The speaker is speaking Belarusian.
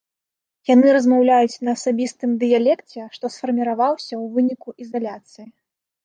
Яны размаўляюць на асабістым дыялекце, што сфарміраваўся ў выніку ізаляцыі.